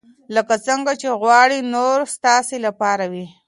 لکه څنګه چې غواړئ نور ستاسې لپاره وي.